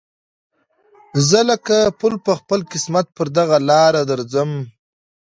زه لکه پل په خپل قسمت پر دغه لاره درځم